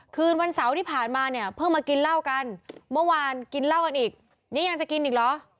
คืนวันเสาร์ที่ผ่านมาเนี่ยเพิ่งมากินเหล้ากันเมื่อวานกินเหล้ากันอีกนี่ยังจะกินอีกเหรอ